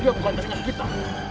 dia bukan ternyata kita